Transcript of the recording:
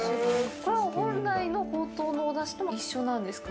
これは本来のほうとうのお出汁と一緒なんですか？